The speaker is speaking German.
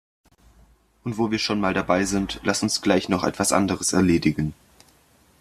Und wo wir schon mal dabei sind, lass uns gleich noch etwas anderes erledigen.